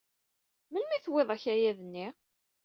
Melmi ay d-tuwyeḍ akayad-nni?